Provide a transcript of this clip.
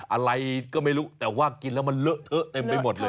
อะไรก็ไม่รู้แต่ว่ากินแล้วมันเลอะเทอะเต็มไปหมดเลย